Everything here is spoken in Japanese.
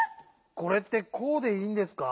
これってこうでいいんですか？